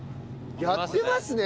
やってますね。